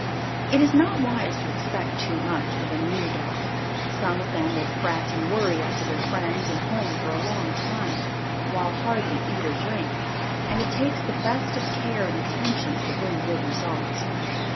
It is not wise to expect too much of a new dog. Some of them will fret and worry after their friends and home for a long time, will hardly eat or drink, and it takes the best of care and attention to bring good results.